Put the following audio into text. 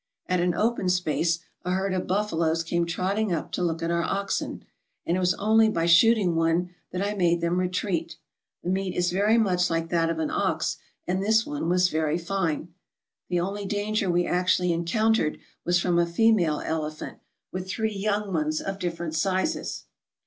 At an open space, a herd of buffaloes came trotting up to look at our oxen, and it was only by shooting one that I made them retreat. The meat is very much like that of an ox, and this one was very fine. The only danger we actually encountered was from a female ele phant, with three young ones of different sizes.